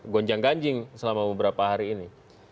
gonjang ganjing selama beberapa hari ini